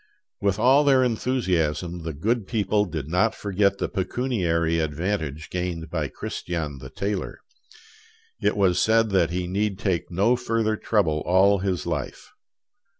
With all their enthusiasm, the good people did not forget the pecuniary advantage gained by Christian the tailor. It was said that he need take no further trouble all his life.